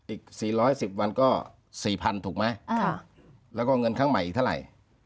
อีกสี่ร้อยสิบวันก็สี่พันถูกไหมอ่าแล้วก็เงินข้างใหม่อีกเท่าไหร่